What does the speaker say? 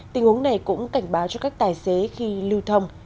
tình huống này cũng cảnh báo cho các tài xế khi lưu thông